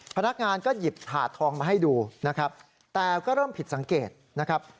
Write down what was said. พนักงานก็หยิบถาดทองมาให้ดูนะครับแต่ก็เริ่มผิดสังเกตนะครับ